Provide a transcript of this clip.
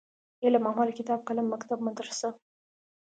علم ،عمل ،کتاب ،قلم ،مکتب ،مدرسه